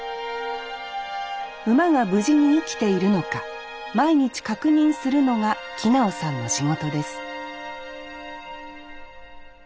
馬が無事に生きているのか毎日確認するのが木直さんの仕事です